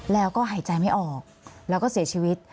แล้วก็หายใจไม่ออกแล้วก็เสียชีวิต